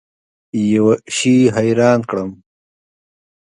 یوه شي حیران کړم.